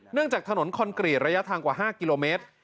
จากถนนคอนกรีตระยะทางกว่า๕กิโลเมตร